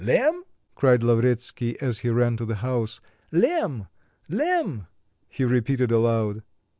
"Lemm?" cried Lavretsky as he ran to the house. "Lemm! Lemm!" he repeated aloud.